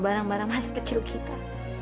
barang barang hasil kecil kita